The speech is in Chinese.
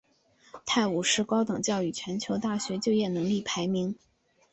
泰晤士高等教育全球大学就业能力排名。